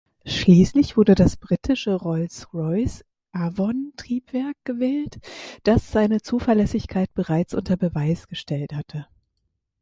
Schließlich wurde das britische Rolls-Royce-Avon-Triebwerk gewählt, das seine Zuverlässigkeit bereits unter Beweis gestellt hatte.